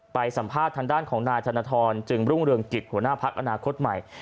สัมภาษณ์ทางด้านของนายธนทรจึงรุ่งเรืองกิจหัวหน้าพักอนาคตใหม่